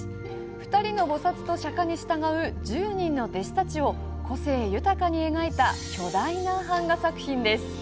２人の菩薩と釈迦に従う１０人の弟子たちを個性豊かに描いた巨大な版画作品です。